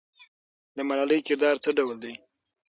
د ملالۍ کردار څه ډول دی؟